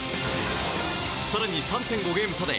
更に３．５ゲーム差で